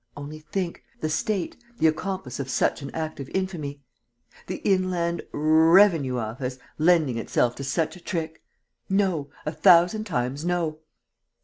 Only think! The State the accomplice of such an act of infamy! The Inland R r r revenue Awfice lending itself to such a trick! No, a thousand times no!